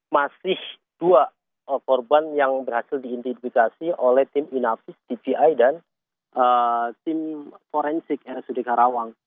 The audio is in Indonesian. masih dua korban yang berhasil diidentifikasi oleh tim inavis dvi dan tim forensik rsud karawang